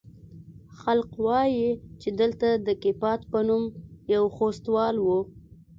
خلق وايي چې دلته د کيپات په نوم يو خوستوال و.